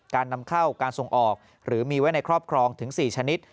การนำเข้าการส่งออกหรือมีไว้ในครอบครองถึง๔ชนิด